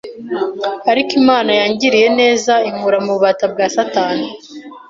ariko Imana yangiriye neza inkura mu bubata bwa satani,